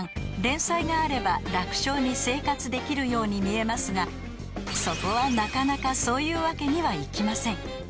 連載があれば楽勝に生活できるように見えますがそこはなかなかそういうわけにはいきません］